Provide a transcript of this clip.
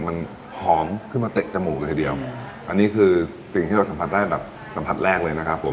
มันหอมขึ้นมาเตะจมูกเลยทีเดียวอันนี้คือสิ่งที่เราสัมผัสได้แบบสัมผัสแรกเลยนะครับผม